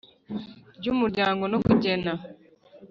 Ry Umuryango No Kugena